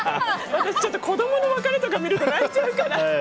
私ちょっと子供の別れとかを見ると泣いちゃうから。